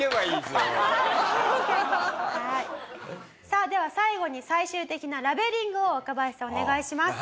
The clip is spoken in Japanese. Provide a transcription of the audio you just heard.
さあでは最後に最終的なラベリングを若林さんお願いします。